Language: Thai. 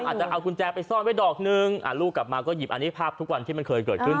อาจจะเอากุญแจไปซ่อนไว้ดอกนึงลูกกลับมาก็หยิบอันนี้ภาพทุกวันที่มันเคยเกิดขึ้น